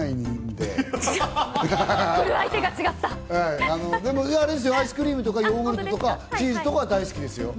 でもアイスクリームとかヨーグルトとかチーズは大好きですよ。